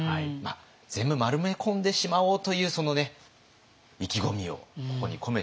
全部丸めこんでしまおうというその意気込みをここに込めてみました。